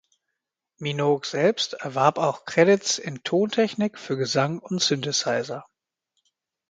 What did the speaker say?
Minogue selbst erwarb auch Credits in Tontechnik für Gesang und Synthesizer.